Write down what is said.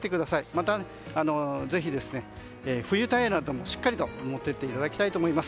また、ぜひ冬タイヤなんかもしっかり持っていっていただきたいと思います。